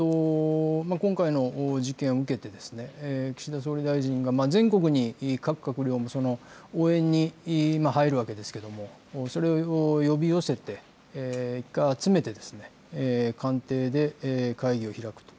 今回の事件を受けて、岸田総理大臣が全国に各閣僚も応援に入るわけですけれども、それを呼び寄せて、一回集めて、官邸で会議を開くと。